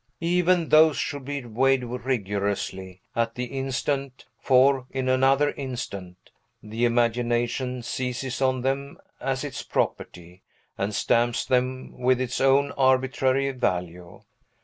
Even these should be weighed rigorously, at the instant; for, in another instant, the imagination seizes on them as its property, and stamps them with its own arbitrary value.